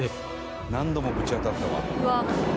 何度もぶち当たったわ。